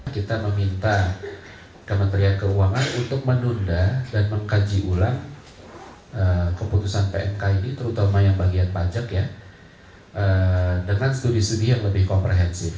kita meminta kementerian keuangan untuk menunda dan mengkaji ulang keputusan pmk ini terutama yang bagian pajak ya dengan studi studi yang lebih komprehensif